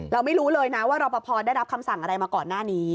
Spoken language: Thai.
เราไม่รู้เลยนะว่ารอปภได้รับคำสั่งอะไรมาก่อนหน้านี้